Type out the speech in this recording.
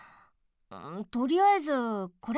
とりあえずこれ。